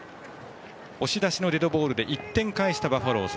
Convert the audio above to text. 押し出しのデッドボールで１点返したバファローズ。